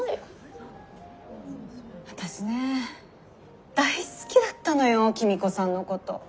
私ね大好きだったのよ公子さんのこと。